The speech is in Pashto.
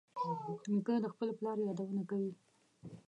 نیکه د خپل پلار یادونه کوي.